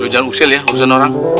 jangan usil ya urusan orang